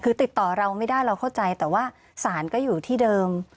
คือติดต่อเราไม่ได้เราเข้าใจแต่ว่าศาลก็อยู่ที่เดิม